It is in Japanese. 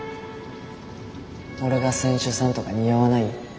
俺が船主さんとか似合わない？